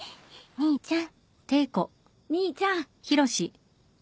兄ちゃん。